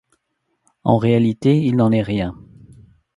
En réalité, il n'en est rien.